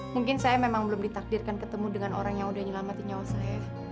mungkin saya memang belum ditakdirkan ketemu dengan orang yang udah nyelamatin nyawa saya